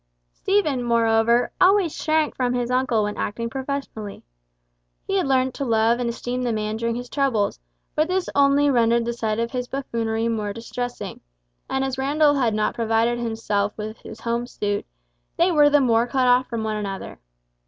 Stephen, moreover, always shrank from his uncle when acting professionally. He had learnt to love and esteem the man during his troubles, but this only rendered the sight of his buffoonery more distressing, and as Randall had not provided himself with his home suit, they were the more cut off from one another.